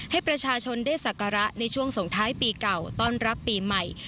ให้ประชาชนได้สักการะในช่วงส่งท้ายปีเก่าต้อนรับปีใหม่